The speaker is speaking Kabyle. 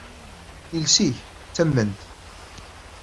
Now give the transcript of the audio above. Iles-ik, d tament!